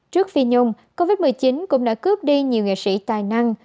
trước phi nhung covid một mươi chín cũng đã cướp đi nhiều nghệ sĩ tài năng